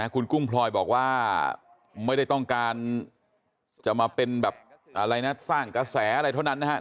คุณกุ้งพลอยบอกว่าไม่ได้ต้องการจะมาเป็นแบบอะไรนะสร้างกระแสอะไรเท่านั้นนะครับ